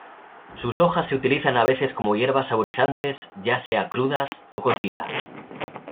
Sus hojas se utilizan a veces como hierbas saborizantes, ya sea crudas o cocidas.